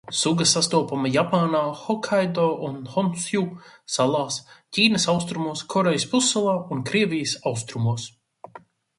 Suga sastopama Japānā Hokaido un Honsju salās, Ķīnas austrumos, Korejas pussalā un Krievijas austrumos.